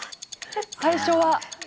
最初は。